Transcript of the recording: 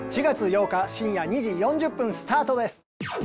４月８日深夜２時４０分スタートです。